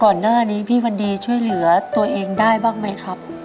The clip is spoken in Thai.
ก่อนหน้านี้พี่วันดีช่วยเหลือตัวเองได้บ้างไหมครับ